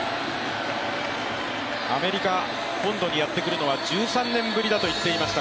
アメリカ本土にやってくるのは１３年ぶりだと言っていました